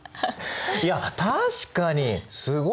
いや確かにすごいですよ。